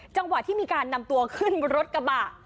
จังหวะที่มีการนำตัวขึ้นรถกระบะ